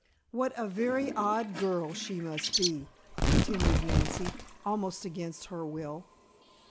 "What a very odd girl she must be," continued Nancy, almost against her will.